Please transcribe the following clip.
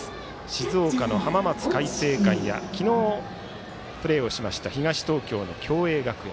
静岡の浜松開誠館や昨日プレーをしました東東京の共栄学園。